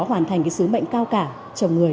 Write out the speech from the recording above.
hoàn thành cái sứ mệnh cao cả chồng người